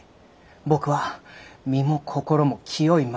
僕は身も心も清いままです。